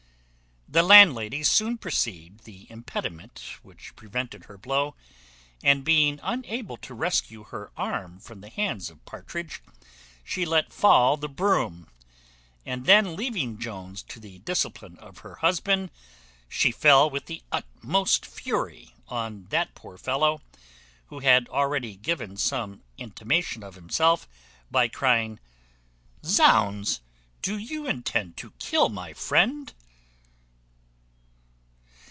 The landlady soon perceived the impediment which prevented her blow; and being unable to rescue her arm from the hands of Partridge, she let fall the broom; and then leaving Jones to the discipline of her husband, she fell with the utmost fury on that poor fellow, who had already given some intimation of himself, by crying, "Zounds! do you intend to kill my friend?"